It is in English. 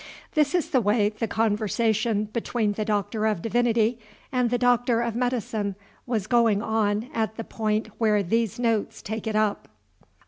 This is the way the conversation between the Doctor of Divinity and the Doctor of Medicine was going on at the point where these notes take it up.